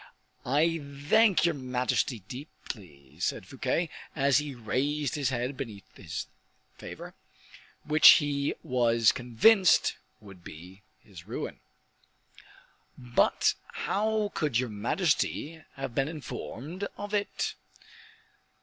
"I thank your majesty deeply," said Fouquet, as he raised his head beneath this favor, which he was convinced would be his ruin. "But how could your majesty have been informed of it?"